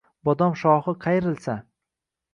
Bodom shoxi qayrilsa